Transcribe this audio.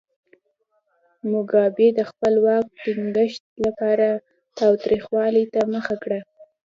موګابي د خپل واک ټینګښت لپاره تاوتریخوالي ته مخه کړه.